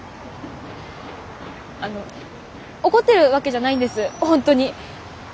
あの怒ってるわけじゃないんですホントに。